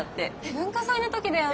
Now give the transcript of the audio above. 文化祭の時だよね？